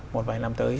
một vài năm tới